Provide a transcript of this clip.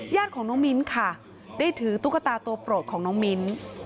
ญาติของน้องมิ้นค่ะได้ถือตุ๊กตาตัวโปรดของน้องมิ้น